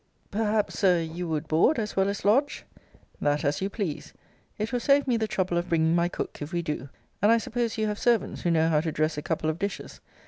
Perhaps, Sir, you would board, as well as lodge? That as you please. It will save me the trouble of bringing my cook, if we do. And I suppose you have servants who know how to dress a couple of dishes.